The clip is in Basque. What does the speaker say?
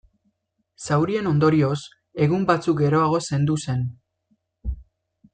Zaurien ondorioz, egun batzuk geroago zendu zen.